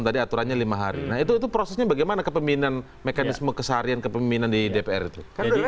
jadi itu prosesnya bagaimana kemimpinan mekanisme kesaharian kepimpinan di dpr itu